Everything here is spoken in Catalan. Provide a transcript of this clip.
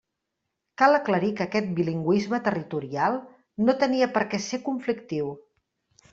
Cal aclarir que aquest bilingüisme territorial no tenia per què ser conflictiu.